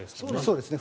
そうですね。